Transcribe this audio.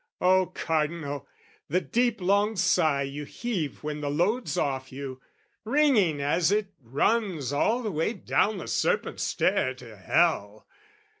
Oh Cardinal, the deep long sigh you heave When the load's off you, ringing as it runs All the way down the serpent stair to hell!